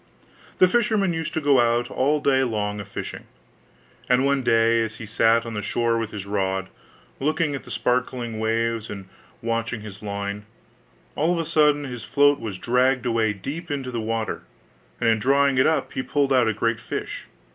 The fisherman used to go out all day long a fishing; and one day, as he sat on the shore with his rod, looking at the sparkling waves and watching his line, all on a sudden his float was dragged away deep into the water: and in drawing it up he pulled out a great fish.